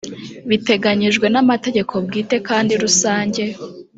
biteganyijwe n amategeko bwite kandi rusange